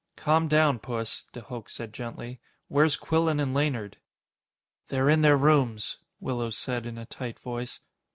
"Calm down, Puss," de Hooch said gently. "Where's Quillan and Laynard?" "They're in their rooms," Willows said in a tight voice.